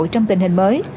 trong tình hình mới